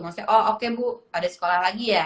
maksudnya oh oke bu ada sekolah lagi ya